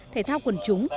thể thao quần chúng